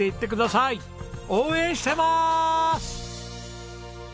応援してまーす！